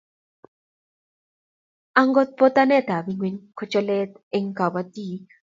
Agot botanetap ngwony ko cholatet eng kobotik